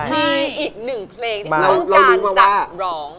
มีอีก๑เพลงนี้ลองการจัดร้อง